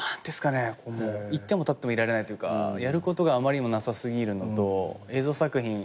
居ても立ってもいられないというかやることがあまりにもなさ過ぎるのと映像作品